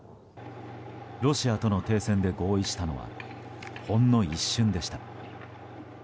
ロシアとの停戦で合意したのはほんの一瞬でした。